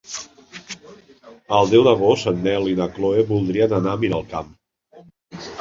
El deu d'agost en Nel i na Chloé voldrien anar a Miralcamp.